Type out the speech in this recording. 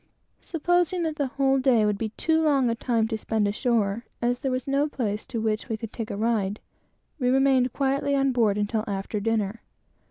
Supposing that the whole day would be too long a time to spend ashore, as there was no place to which we could take a ride, we remained quietly on board until after dinner.